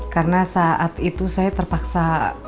karena saat itu saya terpaksa